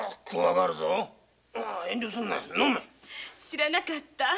知らなかったぁ。